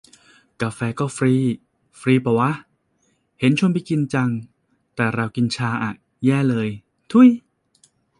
กาแฟก็ฟรี ฟรีปะวะ เห็นชวนไปกินจัง แต่เรากินชาอะ แย่เลย ถุย